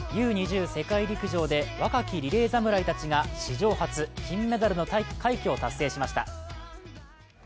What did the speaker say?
世界陸上で若きリりレー侍たちが史上初、金メダルの快挙を達成しました。